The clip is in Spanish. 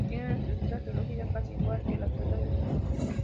Tiene una estructura geológica casi igual que las otras de su grupo.